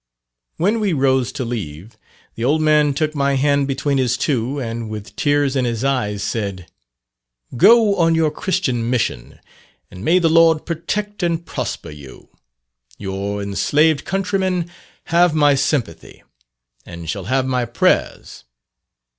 When we rose to leave, the old man took my hand between his two, and with tears in his eyes said, "Go on your Christian mission, and may the Lord protect and prosper you. Your enslaved countrymen have my sympathy, and shall have my prayers."